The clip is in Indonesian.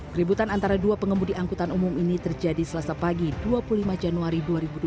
keributan antara dua pengemudi angkutan umum ini terjadi selasa pagi dua puluh lima januari dua ribu dua puluh